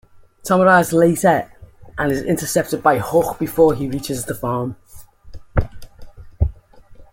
Tom arrives later and is intercepted by Huck before he reaches the farm.